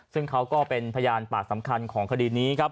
ซึ่งเขาก็เป็นพยานปากสำคัญของคดีนี้ครับ